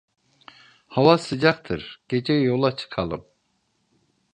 Hava sıcaktır gece yola çıkalım.